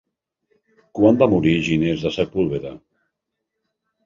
Quan va morir Ginés de Sepúlveda?